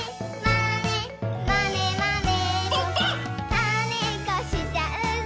「まねっこしちゃうぞまねまね」